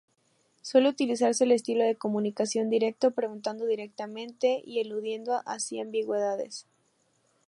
Suele utilizarse el estilo de comunicación directo; preguntando directamente y eludiendo así ambigüedades.